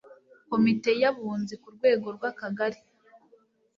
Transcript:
komite y abunzi ku rwego rw akagari